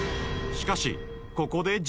［しかしここで］